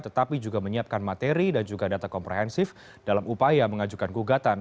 tetapi juga menyiapkan materi dan juga data komprehensif dalam upaya mengajukan gugatan